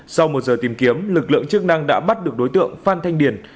sau một giờ tìm kiếm lực lượng chức năng đã bắt được đối tượng phan thanh điền